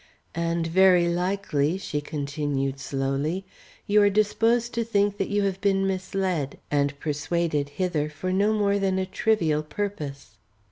"And very likely," she continued slowly, "you are disposed to think that you have been misled and persuaded hither for no more than a trivial purpose."